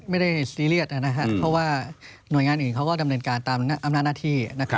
ไม่ได้ซีเรียสนะครับเพราะว่าหน่วยงานอื่นเขาก็ดำเนินการตามอำนาจหน้าที่นะครับ